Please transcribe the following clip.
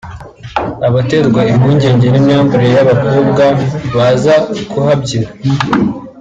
a baterwa impungenge n’imyambarire y’abakobwa baza kuhabyina